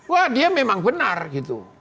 wah dia memang benar gitu